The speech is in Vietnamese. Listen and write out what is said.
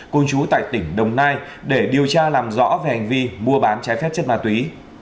cùng chú tại tỉnh đồng nai để điều tra làm rõ về hành vi mua bán trái phép chất ma túy